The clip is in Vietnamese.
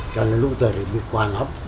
cho nên lúc giờ là bị quán hóc